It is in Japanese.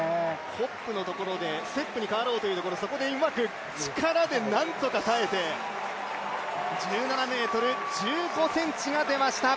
ホップのところでステップに変わろうというところ、そこでうまく力でなんとか耐えて１７ｍ１５ｃｍが出ました。